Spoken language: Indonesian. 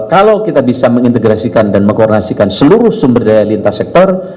kalau kita bisa mengintegrasikan dan mengkoordinasikan seluruh sumber daya lintas sektor